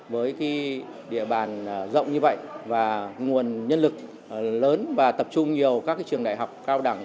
với địa bàn rộng như vậy và nguồn nhân lực lớn và tập trung nhiều các trường đại học cao đẳng